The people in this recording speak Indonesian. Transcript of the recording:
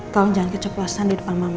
tolong jangan keceplasan di depan mama rosa ya